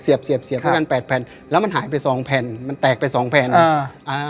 เสียบเสียบด้วยกันแปดแผ่นแล้วมันหายไปสองแผ่นมันแตกไปสองแผ่นอ่าอ่า